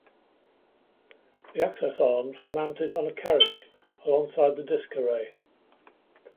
The access arms were mounted on a carriage alongside the disk array.